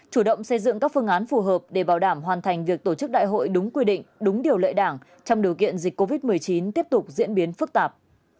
chủ động xây dựng các phương án phù hợp để bảo đảm hoàn thành việc tổ chức đại hội đúng quy định đúng điều lệ đảng trong điều kiện dịch covid một mươi chín tiếp tục diễn biến phức tạp